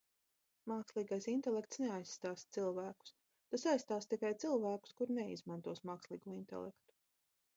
Mākslīgais intelekts neaizstās cilvēkus, tas aizstās tikai cilvēkus, kuri neizmantos mākslīgo intelektu.